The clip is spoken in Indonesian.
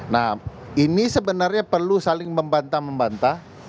nah ini sebenarnya perlu saling membantah membantah